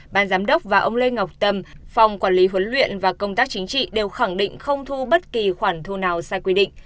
ban giám đốc và ông lê ngọc tâm phòng quản lý huấn luyện và công tác chính trị đều khẳng định không thu bất kỳ khoản thu nào sai quy định